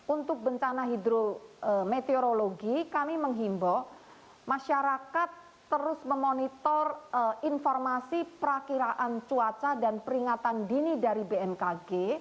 untuk bencana hidrometeorologi kami menghimbau masyarakat terus memonitor informasi perakiraan cuaca dan peringatan dini dari bmkg